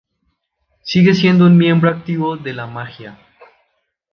Sigue siendo un miembro activo de la Maggia.